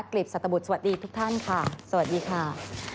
ลิบสัตบุตรสวัสดีทุกท่านค่ะสวัสดีค่ะ